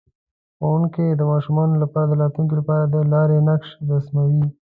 ښوونکی د ماشومانو لپاره د راتلونکي لپاره د لارې نقشه رسموي.